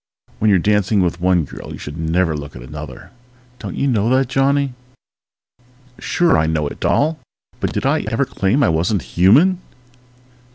When you're dancing with one girl you should never look at another! Don't you know that, Johnny!_ _Sure I know it, Doll! But did I ever claim I wasn't human?